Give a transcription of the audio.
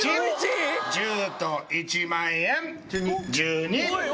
１０と１万円１２！